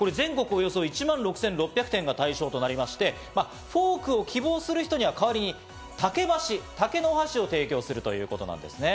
およそ１万６６００店が対象となりまして、フォークを希望する人には代わりに竹箸、竹のお箸を提供するということなんですね。